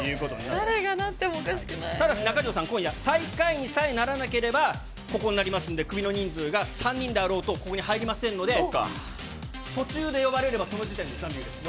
誰がなってもおかしくただし中条さん、最下位にならなければ、ここになりますんで、クビの人数が３人であろうと、ここに入りませんので、途中で呼ばれればその時点で残留です。